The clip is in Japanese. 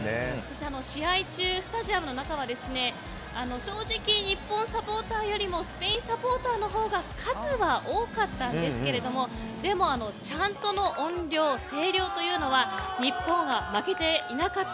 試合中、スタジアムの中は正直、日本サポーターよりもスペインサポーターのほうが数は多かったんですけれどもでも、チャントの音量声量というのは日本は負けていなかった。